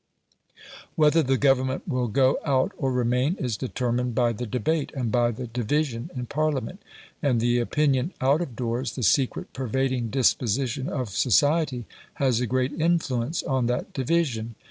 Whether the Government will go out or remain is determined by the debate, and by the division in Parliament. And the opinion out of doors, the secret pervading disposition of society, has a great influence on that division.